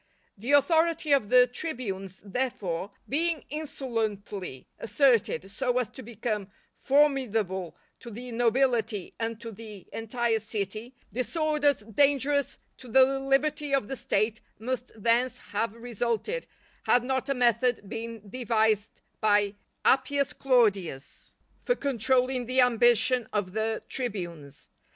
The authority of the tribunes, therefore, being insolently asserted so as to become formidable to the nobility and to the entire city, disorders dangerous to the liberty of the State must thence have resulted, had not a method been devised by Appius Claudius for controlling the ambition of the tribunes.